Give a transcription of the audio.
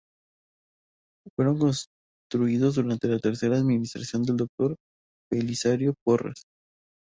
Fueron construidos durante la tercera administración del Dr. Belisario Porras.